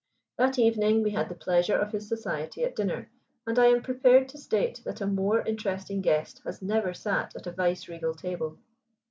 That evening we had the pleasure of his society at dinner, and I am prepared to state that a more interesting guest has never sat at a vice regal table.